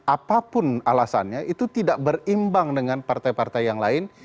apapun alasannya itu tidak berimbang dengan partai partai yang lain